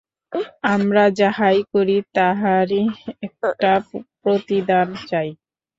আমরা যাহাই করি, তাহারই একটা প্রতিদান চাই।